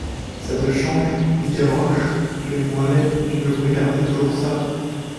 Ça te change, dit Gavroche, tu es moins laid, tu devrais garder toujours ça.